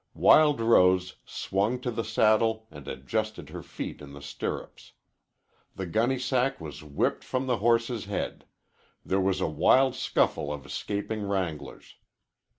Wild Rose swung to the saddle and adjusted her feet in the stirrups. The gunny sack was whipped from the horse's head. There was a wild scuffle of escaping wranglers.